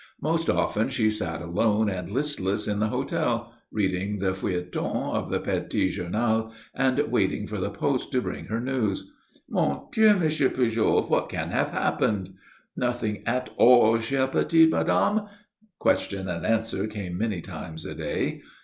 Most often she sat alone and listless in the hotel, reading the feuilleton of the Petit Journal, and waiting for the post to bring her news. "Mon Dieu, M. Pujol, what can have happened?" "Nothing at all, chère petite madame" question and answer came many times a day.